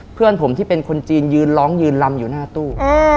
เพื่อนผมที่เป็นคนจีนยืนร้องยืนลำอยู่หน้าตู้